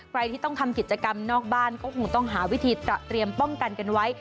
ใครที่ต้องทำกิจกรรมนอกบ้านก็คงต้องหาวิธีเตรียมป้องกันกันไว้